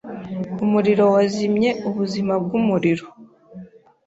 Umuriro wazimye ubuzima bwumuriro.